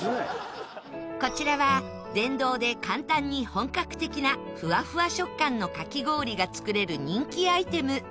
こちらは、電動で簡単に本格的なふわふわ食感のかき氷が作れる人気アイテム